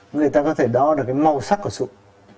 người ta có thể đo được cái màu sắc của sụp